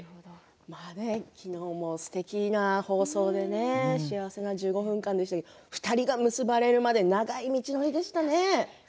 昨日のすてきな放送で幸せな１５分間でしたけど２人が結ばれるまで長い道のりでしたね。